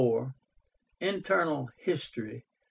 INTERNAL HISTORY.